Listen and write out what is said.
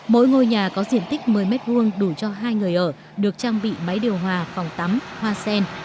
mỗi ngôi nhà có diện tích một mươi m hai đủ cho hai người ở được trang bị máy điều hòa phòng tắm hoa sen